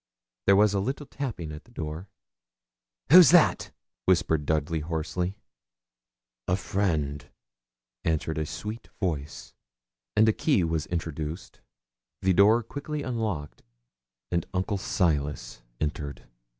There was a little tapping at the door. 'Who's that?' whispered Dudley, hoarsely. 'A friend,' answered a sweet voice. And a key was introduced, the door quickly unlocked, and Uncle Silas entered.